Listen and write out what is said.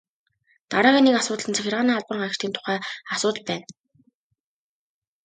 Дараагийн нэг асуудал нь захиргааны албан хаагчдын тухай асуудал байна.